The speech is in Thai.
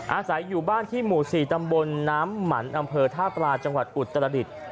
อาศัยอยู่บ้านที่หมู่๔ตำบลน้ำหมันอำเภอท่าปลาจังหวัดอุตรดิษฐ์